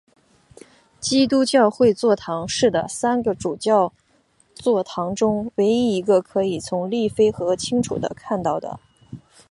基督教会座堂是的三个主教座堂中唯一一个可以从利菲河清楚地看到的。